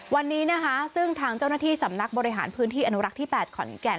วันนี้นะคะซึ่งทางเจ้าหน้าที่สำนักบริหารพื้นที่อนุรักษ์ที่๘ขอนแก่น